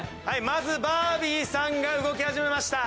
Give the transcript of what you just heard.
まずバービーさんが動き始めました。